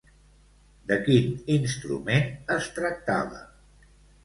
De quin instrument es tractava?